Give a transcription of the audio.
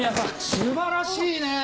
素晴らしいねぇ！